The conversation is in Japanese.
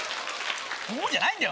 「フフッ」じゃないんだよ